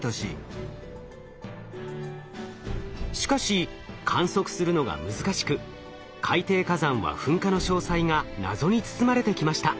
しかし観測するのが難しく海底火山は噴火の詳細が謎に包まれてきました。